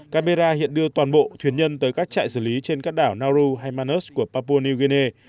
camera hiện đưa toàn bộ thuyền nhân tới các trại xử lý trên các đảo naru hay manus của papua new guinea